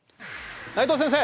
内藤先生！